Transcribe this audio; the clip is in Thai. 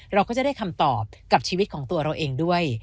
เราก็จะได้คำตอบกับชีวิตของตัวเราเองด้วย